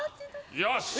よし。